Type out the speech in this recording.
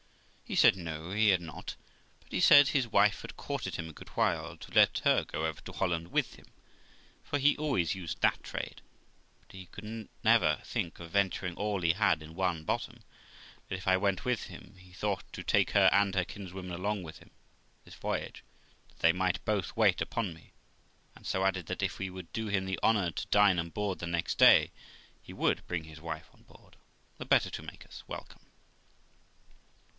He said no, he had not; but, he said, his wife had courted him a good while to let her go over to Holland with him, for he always used that trade, but he never could think of venturing all he had in one bottom; but, if I went with him, he thought to take her and her kinswoman along with him this voyage, that they might both wait upon me; and so added, that if we would do him the honour to dine on board the next day, he would bring his wife on board, the better to make us welcome.